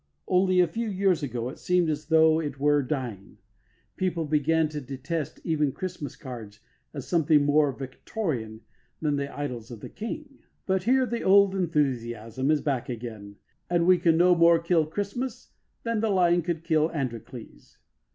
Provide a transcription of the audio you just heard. Only a few years ago it seemed as though it were dying. People began to detest even Christmas cards as something more Victorian than The Idylls of the King. But here the old enthusiasm is back again, and we can no more kill Christmas than the lion could kill Androcles.